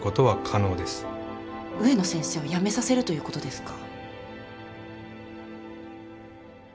植野先生を辞めさせるということですか？